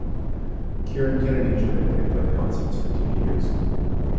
Kieran Kennedy joined and they played concerts for two years.